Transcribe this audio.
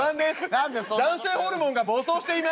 「男性ホルモンが暴走しています」。